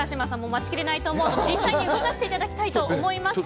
待ちきれないと思うので実際に動かしていただきたいと思います。